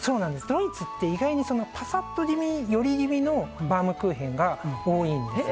ドイツって意外にパサッと気味のバウムクーヘンが多いんです。